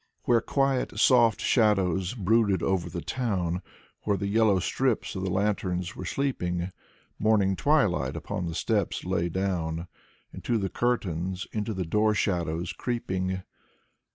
Where quiet, soft shadows brooded over the town, Where the yellow strips of the lanterns were sleeping. Morning twilight upon the steps lay down. Into the curtains, into the door shadows creeping.